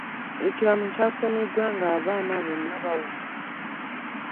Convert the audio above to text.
Ekiraamo kyasomeddwa ng'abaana bonna bawulira.